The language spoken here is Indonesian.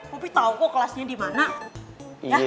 popi tau kok kelasnya dimana